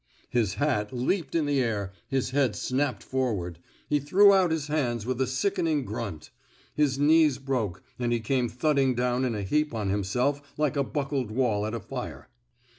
His hat leaped in the air ; his head snapped forward; he threw out his hands with a 78. ON CIRCUMSTANTIAL EVIDENCE sickening grunt; his knees broke, and he came thudding down in a heap on himself like a buckled wall at a fire.